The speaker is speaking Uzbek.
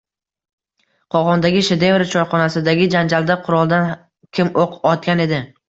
Qo‘qondagi “Shedevr” choyxonasidagi janjalda quroldan kim o‘q otgan edi?